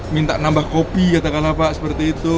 minta nambah kopi katakanlah pak seperti itu